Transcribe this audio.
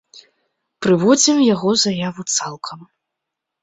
Прыводзім яго заяву цалкам.